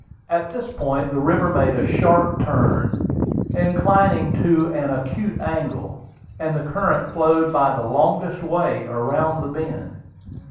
At this point the river made a sharp turn, inclining to an acute angle; and the current flowed by the longest way around the bend.